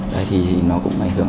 đấy thì nó cũng ảnh hưởng